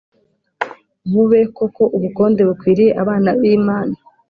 bube koko ubukonde bukwiriye abana b’Imana.